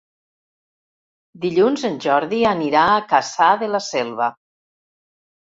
Dilluns en Jordi anirà a Cassà de la Selva.